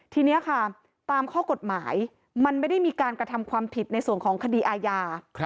ทีนี้ค่ะตามข้อกฎหมายมันไม่ได้มีการกระทำความผิดในส่วนของคดีอาญา